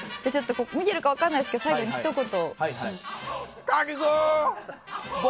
見てるかわからないですけど最後に一言。